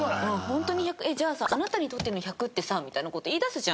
「本当に１００？じゃあさあなたにとっての１００ってさ」みたいな事言いだすじゃん。